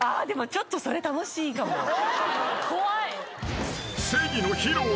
でもちょっとそれ楽しいかも。